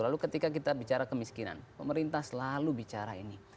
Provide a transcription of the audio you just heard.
lalu ketika kita bicara kemiskinan pemerintah selalu bicara ini